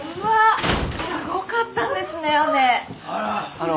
あの。